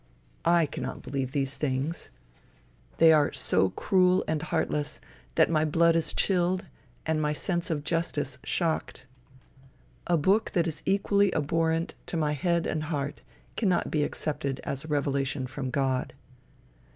I cannot believe these things. They are so cruel and heartless, that my blood is chilled and my sense of justice shocked. A book that is equally abhorrent to my head and heart, cannot be accepted as a revelation from God.